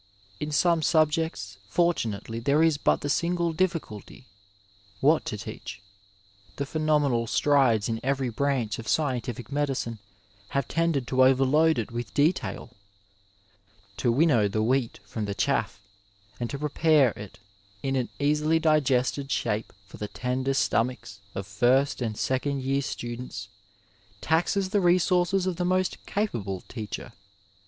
In some subjects fortunately there is but the 207 Digitized by VjOOQIC AFTER TWENTY FIVE TEABS mo^e difiSculty— wbat to teach. The phenomenal strides in every branch of scientific medicine have tended to over load it with detail; To winnow the wheat from the chaff and to prepare it in an easily digested shape for the tender stomachs of first and second year students taxes the re sonrces of the most capable teacher.